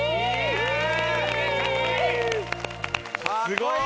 すごーい！